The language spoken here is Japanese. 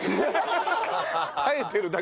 耐えてるだけ。